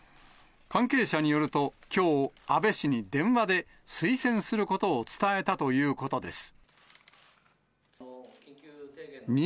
関係者によると、きょう、安倍氏に電話で、推薦することを伝えたということです。